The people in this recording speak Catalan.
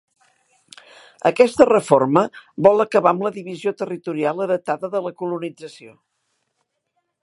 Aquesta reforma vol acabar amb la divisió territorial heretada de la colonització.